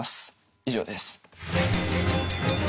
以上です。